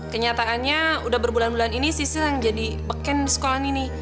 kenyataannya udah berbulan bulan ini sisil yang jadi beken di sekolah ini